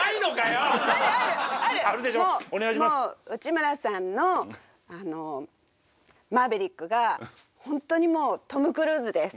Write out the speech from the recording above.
もう内村さんのあのマーヴェリックが本当にもうトム・クルーズです。